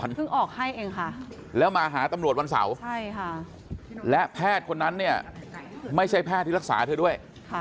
เพิ่งออกให้เองค่ะแล้วมาหาตำรวจวันเสาร์และแพทย์คนนั้นเนี่ยไม่ใช่แพทย์ที่รักษาเธอด้วย